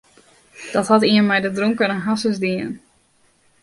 Dat hat ien mei de dronkene harsens dien.